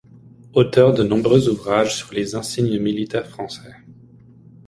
Auteur de nombreux ouvrages sur les insignes militaires français.